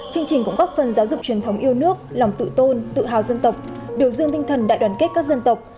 chương trình cũng góp phần giáo dục truyền thống yêu nước lòng tự tôn tự hào dân tộc biểu dương tinh thần đại đoàn kết các dân tộc